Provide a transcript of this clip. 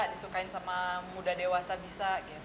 disukain sama muda dewasa bisa